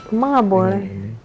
emang gak boleh